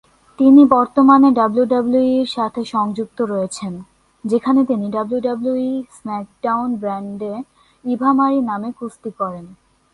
তিনি বর্তমানে ডাব্লিউডাব্লিউইর সাথে সংযুক্ত রয়েছেন, যেখানে তিনি ডাব্লিউডাব্লিউই স্ম্যাকডাউন ব্র্যান্ডে ইভা মারি নামে কুস্তি করেন।